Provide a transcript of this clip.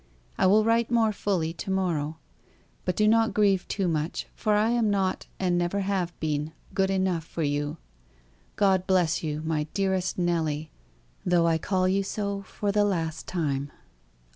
I will write more fully to morrow. But do not grieve too much, for I am not, and never have been, good enough for you. God bless you, my dearest Nelly, though I call you so for the last time.